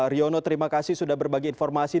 riono terima kasih sudah berbagi informasi